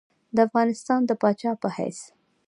د افغانستان د پاچا په حیث.